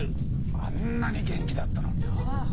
あんなに元気だったのになあ。